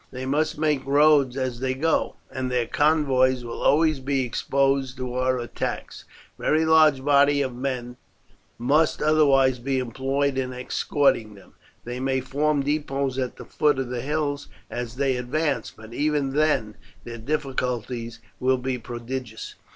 They must make roads as they go, and their convoys will always be exposed to our attacks. Very large bodies of men must otherwise be employed in escorting them. They may form depots at the foot of the hills as they advance, but even then their difficulties will be prodigious.